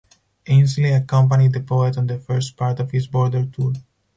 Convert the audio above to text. Ainslie accompanied the poet on the first part of his Border Tour.